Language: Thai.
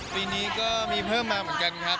ปีนี้ก็มีเพิ่มมาเหมือนกันครับ